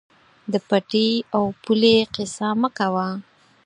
د پټي او پولې قیصه مه کوه.